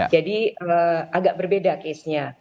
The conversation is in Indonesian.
jadi agak berbeda kesnya